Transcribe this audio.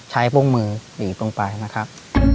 ใช้พรุ่งมือหรือพรุ่งไปนะครับ